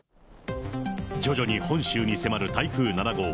徐々に本州に迫る台風７号。